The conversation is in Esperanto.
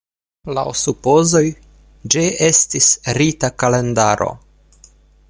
Laŭ supozoj, ĝi estis rita kalendaro.